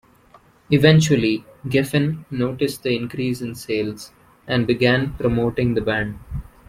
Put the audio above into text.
Eventually, Geffen noticed the increase in sales, and began promoting the band.